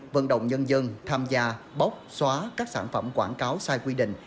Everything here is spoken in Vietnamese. vận động nhân dân tham gia bóc xóa các sản phẩm quảng cáo sai quy định